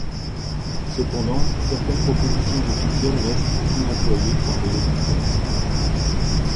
Cependant, certaines propositions officielles restent inemployées par les locuteurs.